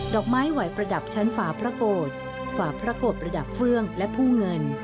อกไม้ไหวประดับชั้นฝาพระโกรธฝาพระโกรธประดับเฟื่องและผู้เงิน